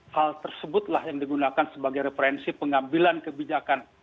hal tersebutlah yang digunakan sebagai referensi pengambilan kebijakan